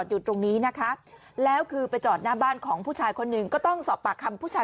อยู่ตรงนี้นะคะแล้วคือไปจอดหน้าบ้านของผู้ชายคนหนึ่งก็ต้องสอบปากคำผู้ชาย